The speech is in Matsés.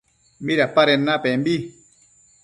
¿Midapaden napembi?